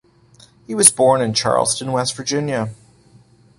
He was born in Charleston, West Virginia.